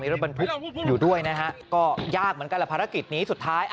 รถบรรทุกอยู่ด้วยนะฮะก็ยากเหมือนกันแหละภารกิจนี้สุดท้าย